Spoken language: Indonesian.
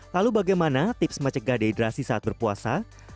lalu bagaimana tips mencegah dehidrasi saat berpuasa